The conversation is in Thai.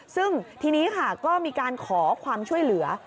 ซึ่งทีนี้ค่ะก็มีการขอความช่วยเหลือ